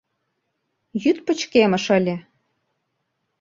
Йӱд пычкемыш ыле.